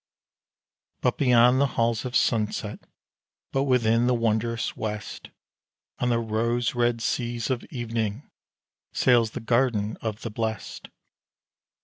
But beyond the halls of sunset, but within the wondrous west, On the rose red seas of evening, sails the Garden of the Blest.